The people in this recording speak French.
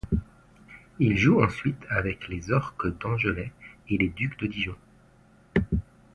Il joue ensuite avec les Orques d'Anglet et les Ducs de Dijon.